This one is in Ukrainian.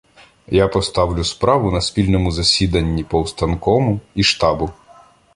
Я поставлю справу на спільному засіданні повстанкому і штабу.